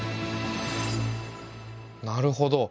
なるほど。